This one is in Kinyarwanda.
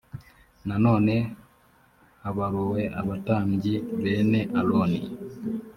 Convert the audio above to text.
nanone habaruwe abatambyi bene aroni